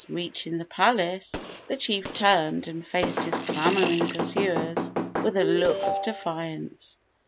Reaching the palace, the chief turned and faced his clamoring pursuers with a look of defiance.